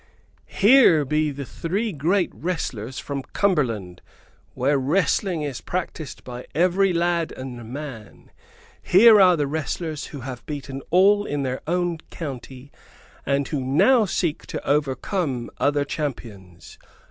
"Here be the three great wrestlers from Cumberland, where wrestling is practised by every lad and man! Here are the wrestlers who have beaten all in their own county, and who now seek to overcome other champions!